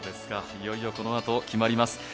いよいよこのあと決まります。